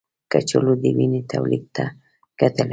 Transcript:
کچالو د وینې تولید ته ګټه لري.